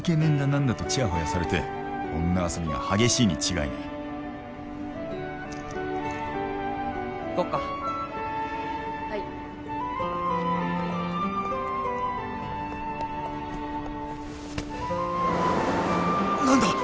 なんだとチヤホヤされて女遊びが激しいに違いない行こっかはい何だ？